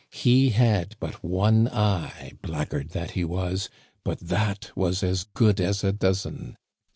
He had but one eye, blackguard that he was, but that was as good as a dozen.